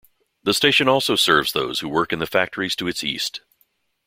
The station also serves those who work in the factories to its east.